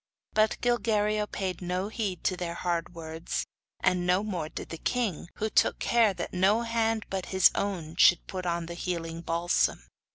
But Gilguerillo paid no heed to their hard words, and no more did the king, who took care that no hand but his own should put on the healing balsam.